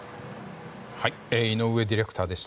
井上ディレクターでした。